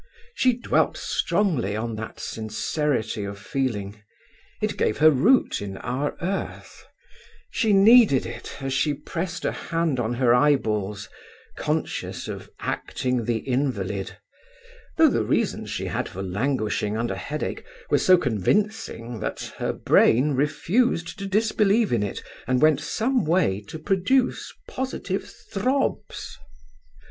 She dwelt strongly on that sincerity of feeling; it gave her root in our earth; she needed it as she pressed a hand on her eyeballs, conscious of acting the invalid, though the reasons she had for languishing under headache were so convincing that her brain refused to disbelieve in it and went some way to produce positive throbs.